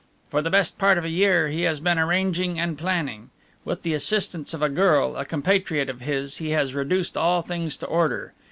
For the best part of a year he has been arranging and planning. With the assistance of a girl, a compatriot of his, he has reduced all things to order.